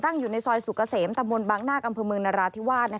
ตั้งอยู่ในซอยสุกเกษมตำรวจบังค์หน้ากำพลเมืองนราธิวาส